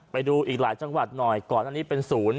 ไปดูอีกหลายจังหวัดหน่อยก่อนอันนี้เป็นศูนย์